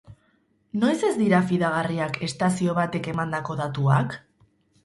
Noiz ez dira fidagarriak estazio batek emandako datuak?